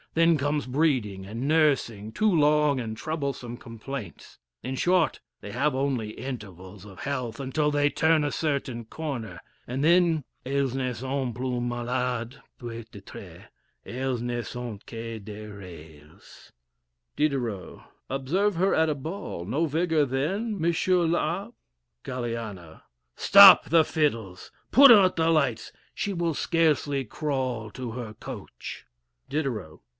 Then come breeding and nursing, two long and troublesome complaints. In short, they have only intervals of health, until they turn a certain corner, and then elles ne sont plus de malades peut être elles ne sont que des reilles. Diderot. Observe her at a ball, no vigor, then, M. l'Abbe? Galiana. Stop the fiddles! put out the lights! she will scarcely crawl to her coach. Diderot.